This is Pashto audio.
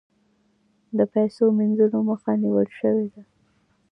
د پیسو مینځلو مخه نیول شوې ده؟